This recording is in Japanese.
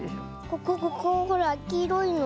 ここここほらきいろいの。